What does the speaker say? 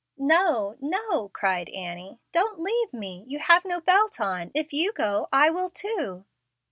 "No, no," cried Annie, "don't leave me: you have no belt on. If you go I will too."